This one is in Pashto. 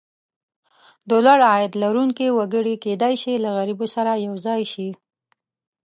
د لوړ عاید لرونکي وګړي کېدای شي له غریبو سره یو ځای شي.